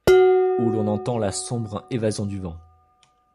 Où l’on entend la sombre évasion du vent